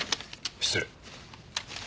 失礼。